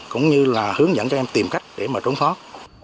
cũng như là hướng dẫn cho em tìm cách để mà trốn thoát